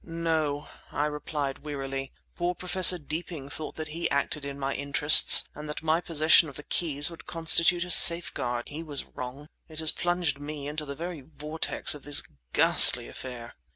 "No," I replied wearily. "Poor Professor Deeping thought that he acted in my interests and that my possession of the keys would constitute a safeguard. He was wrong. It has plunged me into the very vortex of this ghastly affair."